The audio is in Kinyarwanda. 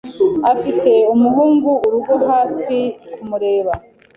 Afite umuhungu-urugo-hafi kumureba.